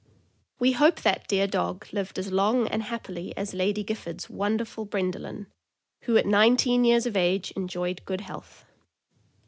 We hope that dear dog lived THE MALTESE TERRIER. 499 as long and happily as Lady Clifford's wonderful Bren doline, who at nineteen years of age enjoyed good health.